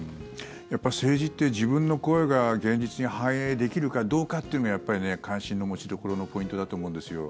やっぱり政治って自分の声が現実に反映できるかどうかというのが関心の持ちどころのポイントだと思うんですよ。